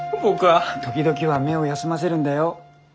時々は目を休ませるんだよ。